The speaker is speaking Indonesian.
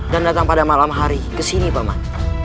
dan datang pada malam hari ke sini pak man